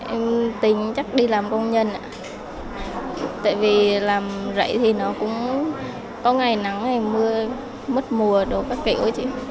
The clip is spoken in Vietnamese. em tính chắc đi làm công nhân ạ tại vì làm vậy thì nó cũng có ngày nắng hay mưa mất mùa đồ các kiểu đó chị